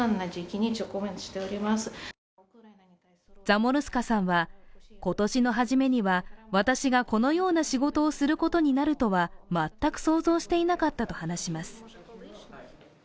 ザモルスカさんは、今年の初めには私がこのような仕事をすることになるとは全く想像していなかったと話します。